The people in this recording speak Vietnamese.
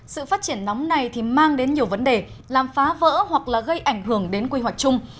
sự phát triển nóng này thì mang đến nhiều vấn đề làm phá vỡ hoặc là gây ảnh hưởng đến quy hoạch chung